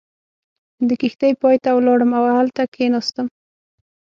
د کښتۍ پای ته ولاړم او هلته کېناستم.